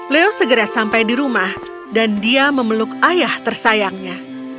leo segera sampai di rumah dan dia memeluk ayah tersayangnya